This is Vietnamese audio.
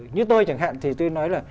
như tôi chẳng hạn thì tôi nói là